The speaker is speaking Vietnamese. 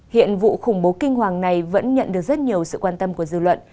hiện vụ khủng bố kinh hoàng này vẫn nhận được rất nhiều sự quan tâm của dư luận